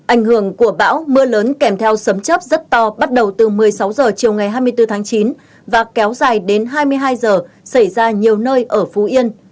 ảnh hưởng của bão mưa lớn kèm theo sấm chấp rất to bắt đầu từ một mươi sáu h chiều ngày hai mươi bốn tháng chín và kéo dài đến hai mươi hai h xảy ra nhiều nơi ở phú yên